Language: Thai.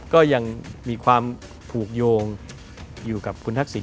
ก็ยังมีความผูกโยงอยู่กับคุณทักษิณ